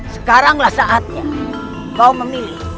sekaranglah saatnya kau memilih